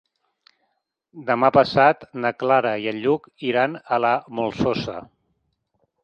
Demà passat na Clara i en Lluc iran a la Molsosa.